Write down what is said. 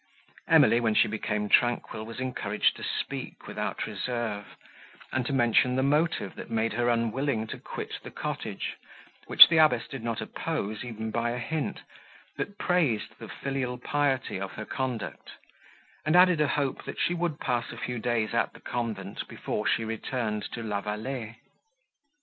Emily, when she became tranquil, was encouraged to speak without reserve, and to mention the motive, that made her unwilling to quit the cottage, which the abbess did not oppose even by a hint; but praised the filial piety of her conduct, and added a hope, that she would pass a few days at the convent, before she returned to La Vallée.